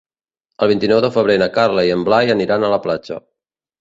El vint-i-nou de febrer na Carla i en Blai aniran a la platja.